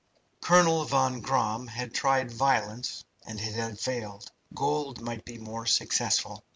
Colonel von Gramm had tried violence, and it had failed. Gold might be more successful.